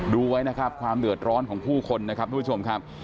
ดูไว้ความเดือดร้อนของผู้คนนะครับทุกผู้ชม